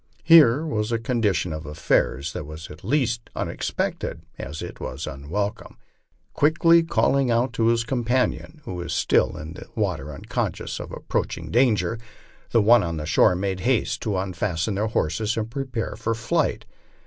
Here was a condition of affairs that was at least as unexpected as it was unwelcome. Quickly calling out to his companion, who was still in the water unconscious of approaching danger, the one on shore made haste to un fasten their horses and prepare for flight.